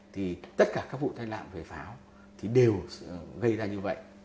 thì tất cả các vụ tai nạn về pháo thì đều gây ra như vậy